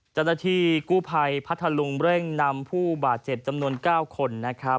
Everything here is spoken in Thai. เจ้าหน้าที่กู้ภัยพัทธลุงเร่งนำผู้บาดเจ็บจำนวน๙คน